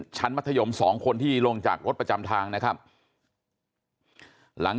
ชั้นมัธยมสองคนที่ลงจากรถประจำทาง